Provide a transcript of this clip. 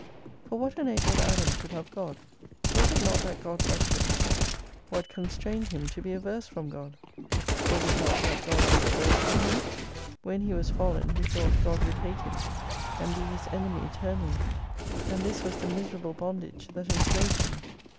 For what enabled Adam to love God ? "Was it not that God loved him ? What constrained him to be averse from God ? "Was it not that God was averse from him ? When he was fallen he thought God would hate him, and be his enemy eternally. And this was the miserable bondage that enslaved him.